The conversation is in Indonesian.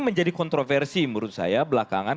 menjadi kontroversi menurut saya belakangan